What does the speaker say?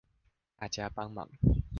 大家幫忙